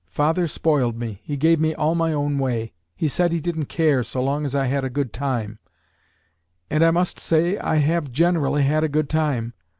Father spoiled me. He gave me all my own way. He said he didn't care, so long as I had a good time; and I must say I have generally had a good time.